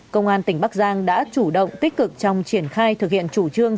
công an tỉnh bắc giang đã chủ động tích cực trong triển khai thực hiện chủ trương